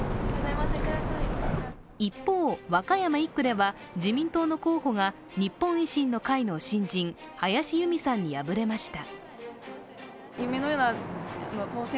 一方、和歌山１区では自民党の候補が日本維新の会の新人、林佑美さんに敗れました。